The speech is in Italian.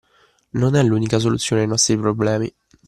Non è l'unica soluzione ai nostri problemi.